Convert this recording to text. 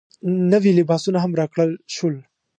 نوي لباسونه هم راکړل شول.